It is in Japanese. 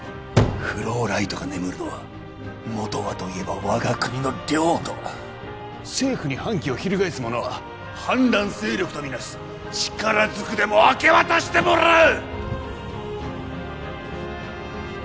フローライトが眠るのはもとはといえば我が国の領土政府に反旗を翻す者は反乱勢力とみなす力ずくでも明け渡してもらう！